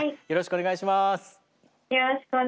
よろしくお願いします。